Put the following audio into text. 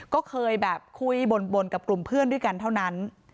ก็เคยแบบคุยบนกับกลุ่มเพื่อนด้วยกันเท่านั้น